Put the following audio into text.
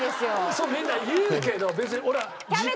そうみんな言うけど別に俺は。